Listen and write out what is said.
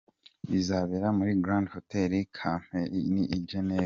Bizabera muri Grand Hotel Kempinski in Geneva.